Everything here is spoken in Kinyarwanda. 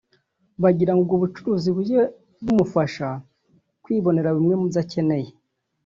bagira ngo ubwo bucuruzi bujye bumufasha kwibonera bimwe mu byo akenera